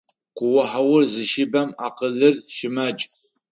Куохьаур зыщыбэм акъылыр щымакӏ.